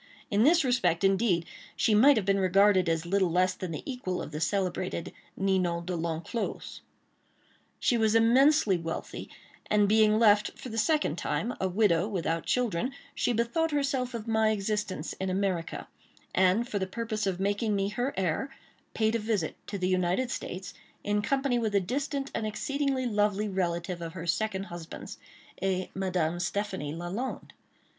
In this respect, indeed, she might have been regarded as little less than the equal of the celebrated Ninon De L'Enclos. She was immensely wealthy, and being left, for the second time, a widow without children, she bethought herself of my existence in America, and for the purpose of making me her heir, paid a visit to the United States, in company with a distant and exceedingly lovely relative of her second husband's—a Madame Stéphanie Lalande.